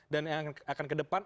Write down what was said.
dan yang akan ke depan